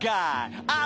あ。